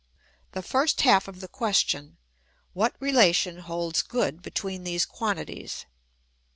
The first half is the ques tion : what relation holds good between these quantities?